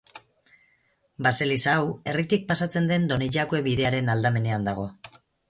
Baseliza hau, herritik pasatzen den Donejakue bidearen aldamenean dago.